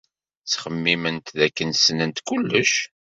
Ttxemmiment dakken ssnent kullec.